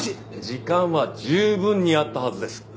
時間は十分にあったはずです。